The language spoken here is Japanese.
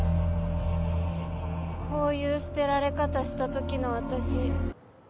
「こういう捨てられ方したときの私怖いから」